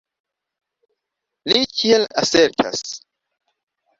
Li kiel asertas?